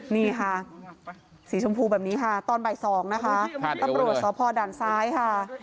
นี่ค่ะสีชมพูแบบนี้ค่ะตอนบ่าย๒นะคะตำรวจสพด่านซ้ายค่ะ